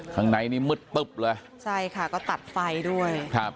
ข้างในนี่มืดตึ๊บเลยใช่ค่ะก็ตัดไฟด้วยครับ